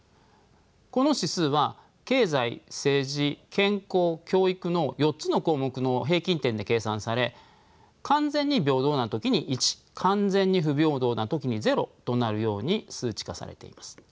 この指数は経済・政治・健康・教育の４つの項目の平均点で計算され完全に平等な時に１完全に不平等な時に０となるように数値化されています。